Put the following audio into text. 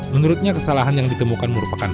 menurutnya kesalahan yang ditemukan merupakan